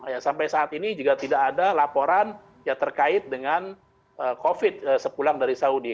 ya sampai saat ini juga tidak ada laporan ya terkait dengan covid sepulang dari saudi